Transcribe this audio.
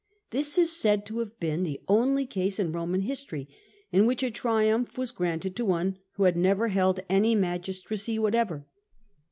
This is said to have been the only case in Eoman history in which a triumph was granted to one who had never held any magistracy whatever.